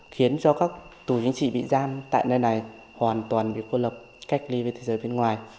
khiến cho các tù chính trị bị giam tại nơi này hoàn toàn bị cô lập cách ly với thế giới bên ngoài